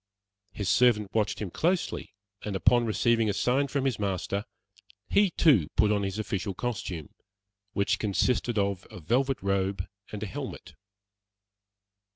His servant watched him closely, and upon receiving a sign from his master, he too put on his official costume, which consisted of a velvet robe and a helmet.